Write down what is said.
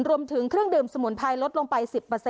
รวมถึงเครื่องดื่มสมุนไพรลดลงไป๑๐